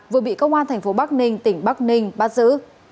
vừa bị công an thành phố bắc ninh tỉnh bắc ninh bắt giữ